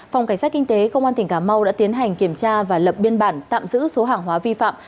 phòng cảnh sát kinh tế công an tỉnh cà mau đã tiến hành kiểm tra và lập biên bản tạm giữ số hàng hóa vi phạm